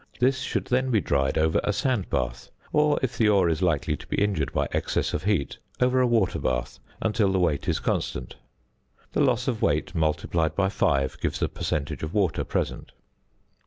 This should then be dried over a sand bath, or if the ore is likely to be injured by excess of heat, over a water bath until the weight is constant. The loss of weight multiplied by 5 gives the percentage of water present.